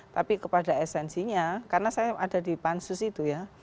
tapi kepada esensinya karena saya ada di pansus itu ya